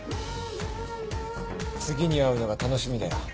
次に会うのが楽しみだよ。